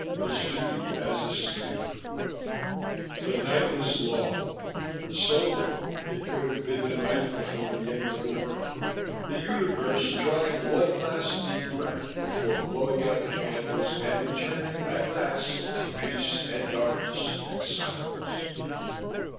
His duty as a slaver. The night was long, so long it could have been the night before the end of the world, the universe drawing one last deep breath before blowing out the candles and returning, at last, to peace and darkness and silence.